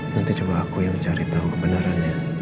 nanti cuma aku yang cari tahu kebenarannya